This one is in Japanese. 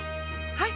はい。